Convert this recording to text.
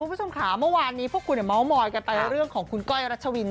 คุณผู้ชมค่ะเมื่อวานนี้พวกคุณเมาส์มอยกันไปเรื่องของคุณก้อยรัชวิน